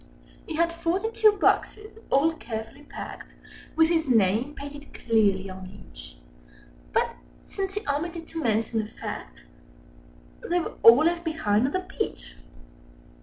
He had forty two boxes, all carefully packed, Â Â Â Â With his name painted clearly on each: But, since he omitted to mention the fact, Â Â Â Â They were all left behind on the beach.